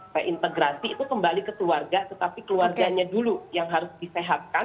reintegrasi itu kembali ke keluarga tetapi keluarganya dulu yang harus disehatkan